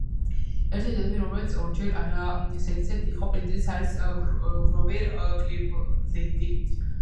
ერთადერთი ადამიანი, რომელიც ორჯერ არა ზედიზედ იყო პრეზიდენტი არის გროვერ კლივლენდი.